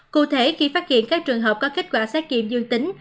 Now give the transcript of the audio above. cụ thể khi phát hiện các trường hợp có kết quả xét nghiệm dương tính